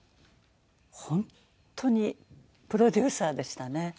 本当にプロデューサーでしたね。